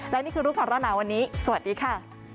และนี่คือรูปปาราณาวันนี้สวัสดีค่ะ